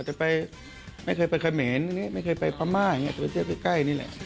จะไปไม่เคยไปเขมนไม่เคยไปฟัมมาจะไปใกล้นี่แหละ